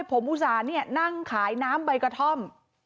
แล้วผมอุตส่านั่งขายน้ำใบกระท่อม